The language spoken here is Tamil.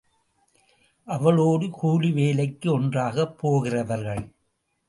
அவளோடு கூலி வேலைக்கு ஒன்றாக போகிறவர்கள்.